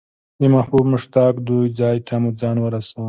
د محبوب مشتاق دوی ځای ته مو ځان ورساوه.